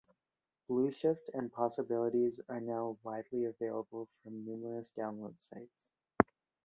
"Blueshift" and "Possibilities" are now widely available from numerous download sites.